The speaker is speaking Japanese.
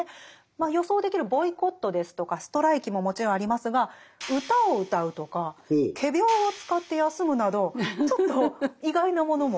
予想できるボイコットですとかストライキももちろんありますが歌を歌うとか仮病を使って休むなどちょっと意外なものも。